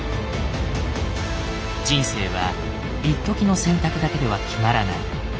人生はいっときの選択だけでは決まらない。